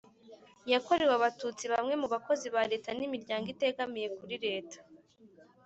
yakorewe Abatutsi bamwe mu bakozi ba Leta n imiryango itegamiye kuri leta